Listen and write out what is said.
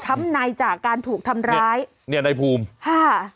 ในจากการถูกทำร้ายเนี่ยในภูมิค่ะ